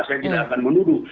saya tidak akan menuduh